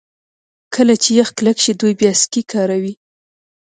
کله چې یخ کلک شي دوی بیا سکي کاروي